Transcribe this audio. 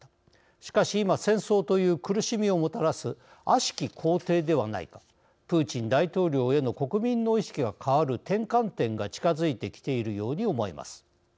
しかし今、戦争という苦しみをもたらす悪しき皇帝ではないかプーチン大統領への国民の意識が変わる転換点が近づいてきているように思えます。